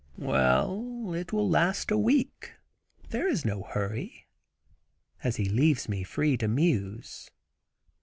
"Well, it will last a week; there is no hurry," as he leaves me free to muse.